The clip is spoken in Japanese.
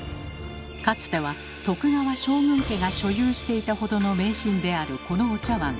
かつては徳川将軍家が所有していたほどの名品であるこのお茶わん